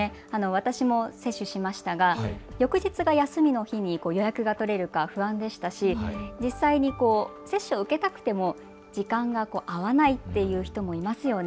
私も接種しましたが翌日が休みの日に予約が取れるか不安でしたし、実際に接種を受けたくても時間が合わないという人もいますよね。